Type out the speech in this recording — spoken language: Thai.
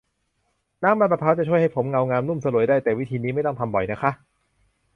น้ำมันมะพร้าวจะช่วยให้ผมเงางามนุ่มสลวยได้ แต่วิธีนี้ไม่ต้องทำบ่อยนะคะ